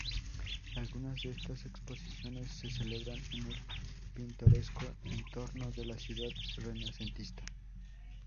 Algunas de estas exposiciones se celebran en el pintoresco entorno de la ciudad renacentista.